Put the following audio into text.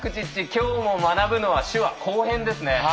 今日も学ぶのは手話後編ですね。